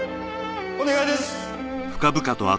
お願いです！